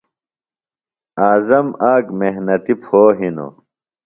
اعظم آک محنتیۡ پھو ہِنوۡ۔